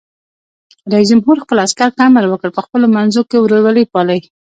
رئیس جمهور خپلو عسکرو ته امر وکړ؛ په خپلو منځو کې ورورولي پالئ!